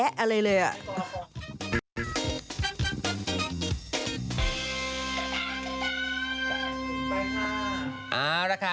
เอาละค่ะ